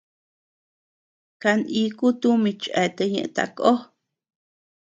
Kaniku tumi cheatea ñeʼe takó.